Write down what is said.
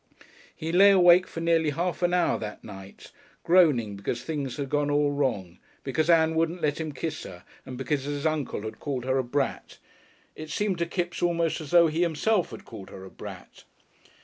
He lay awake for nearly half an hour that night, groaning because things had all gone wrong because Ann wouldn't let him kiss her, and because his uncle had called her a brat. It seemed to Kipps almost as though he himself had called her a brat....